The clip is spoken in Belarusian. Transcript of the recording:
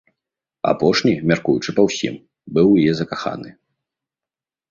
Апошні, мяркуючы па ўсім, быў у яе закаханы.